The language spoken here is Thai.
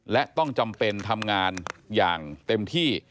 และต้องจำเป็นทำงานอย่างเต็มที่